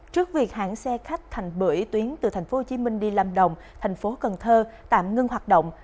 trước việc hãng xe khách thành bữa ý tuyến từ tp hcm đi lâm đồng tp cần thơ tạm ngưng hoạt động